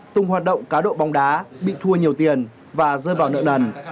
tùng hoạt động cá độ bóng đá bị thua nhiều tiền và rơi vào nợ nần